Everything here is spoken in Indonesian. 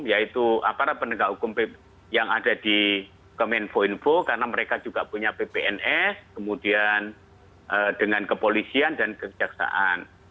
yaitu aparat penegak hukum yang ada di kemenko info karena mereka juga punya ppns kemudian dengan kepolisian dan kejaksaan